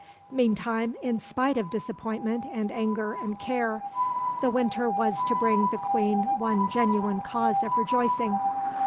Meantime, in spite of disappointment and anger and care, the winter was to bring the Queen one genuine cause of rejoicing.